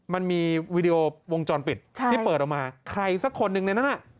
มันมีวีดีโอวงจรปิดที่เปิดออกมาใครสักคนหนึ่งในนั้น